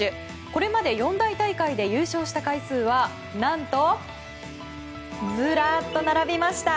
これまで四大大会で優勝した回数はなんと、ずらっと並びました。